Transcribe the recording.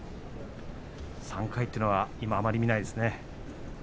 ３回というのは今あまり見ませんね。